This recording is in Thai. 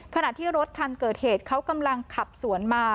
ขณะที่รถคันเกิดเหตุเขากำลังขับสวนมา